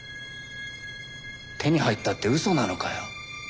手に入ったって嘘なのかよ。